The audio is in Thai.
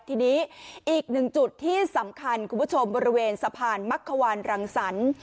ทีนี้อีกหนึ่งจุดที่สำคัญคุณผู้ชมบริเวณสะพานมักขวานรังสรรค์